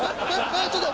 ちょっと！